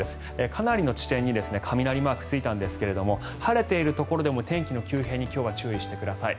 かなりの地点に雷マークがついたんですが晴れているところでも天気の急変に今日は注意してください。